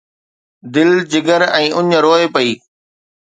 دل، جگر ۽ اڃ روئي پئي